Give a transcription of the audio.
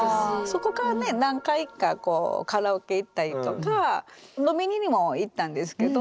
そこからね何回かこうカラオケ行ったりとか飲みにも行ったんですけど。